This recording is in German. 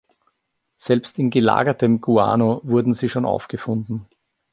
Selbst in gelagertem Guano wurden sie schon aufgefunden.